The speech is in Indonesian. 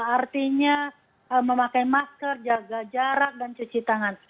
artinya memakai masker jaga jarak dan cuci tangan